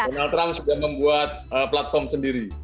donald trump sudah membuat platform sendiri